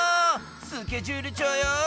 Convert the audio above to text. スケジュール帳よ。